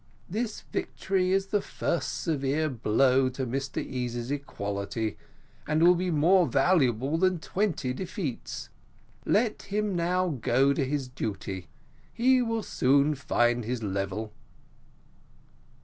This victory is the first severe blow to Mr Easy's equality, and will be more valuable than twenty defeats. Let him now go to his duty: he will soon find his level."